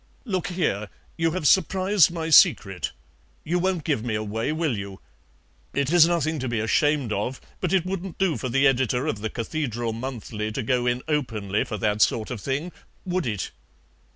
Look here, you have surprised my secret. You won't give me away, will you? It is nothing to be ashamed of, but it wouldn't do for the editor of the CATHEDRAL MONTHLY to go in openly for that sort of thing, would it?"